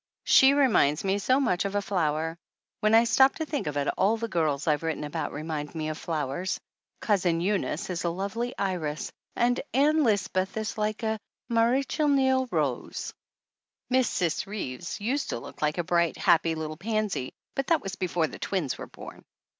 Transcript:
She reminds me so much of a flower. When I stop to think of it, all the girls I've written about remind me of flowers. Cousin Eunice is like a lovely iris, and Ann Lisbeth is like a Marechal Niel rose. Miss Cis Reeves used to look like a bright, happy little pansy, but that was before the twins were born.